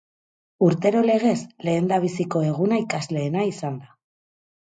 Urtero legez, lehendabiziko eguna ikasleena izan da.